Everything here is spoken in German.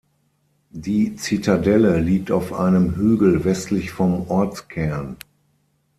Die Zitadelle liegt auf einem Hügel westlich vom Ortskern.